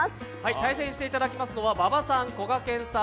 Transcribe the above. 対戦していただくのは馬場さん、こがけんさん